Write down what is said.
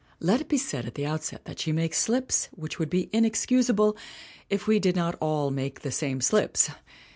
Let it be said at the outset that she makes slips which would be inexcusable if we did not all make the same slips.